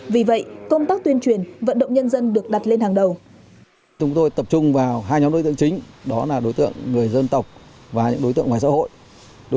vì vậy công tác tuyên truyền vận động nhân dân được đặt lên hàng đầu